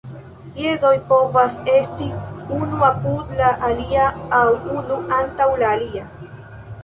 Piedoj povas esti unu apud la alia aŭ unu antaŭ la alia.